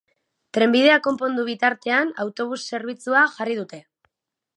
Trenbidea konpondu bitartean, autobus zerbitzua jarri dute.